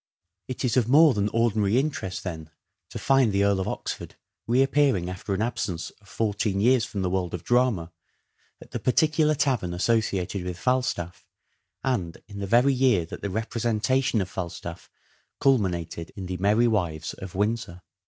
It is of more than ordinary interest, then, to find the Earl of Oxford reappearing after an absence of fourteen years from the world of drama at the particular tavern associated with Falstaff, and in the very year that the representation of Falstaff culminated in the " Merry Wives of Windsor."